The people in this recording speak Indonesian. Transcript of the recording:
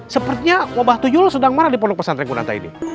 sepertinya wabah tujuhl sedang marah di pondok pesantren gunata ini